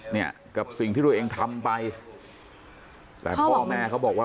เนี่ยกับสิ่งที่ตัวเองทำไปแต่พ่อแม่เขาบอกว่า